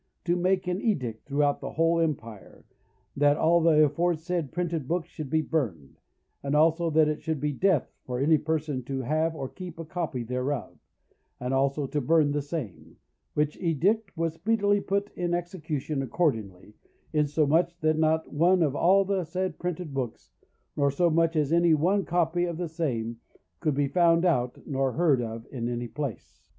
to make an Edict throughout the whole Empire, that all the aforesaid printed books should be burned; and also that it should be death for any person to have or keep a copy thereof, but also to burn the same: which Edict was speedily put in execution accordingly, insomuch that not one of all the said printed books, nor so much as any one copy of the same, could be found out nor heard of in any place.